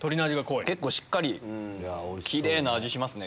結構しっかりキレイな味しますね。